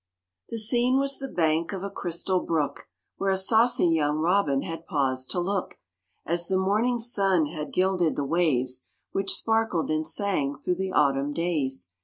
The scene was the bank of a crystal brook Where a saucy young robin had paused to look, As the morning sun had gilded the waves Which sparkled and sang thro' the autumn days.